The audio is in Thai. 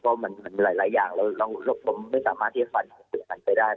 เพราะมันมีหลายอย่างเราไม่สามารถเรียกฝันไปได้